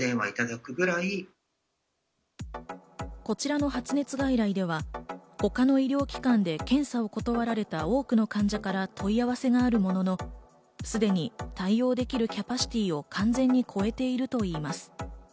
こちらの発熱外来では他の医療機関で検査を断られた多くの患者から問い合わせがあるものの、すでに対応できるキャパシティーを完全に超えているといいます。